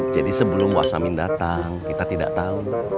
jadi sebelum wasamin datang kita tidak tau